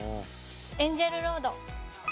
エンジェルロード。